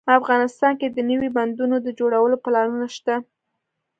افغانستان کې د نوي بندونو د جوړولو پلانونه شته